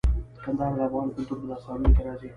کندهار د افغان کلتور په داستانونو کې راځي.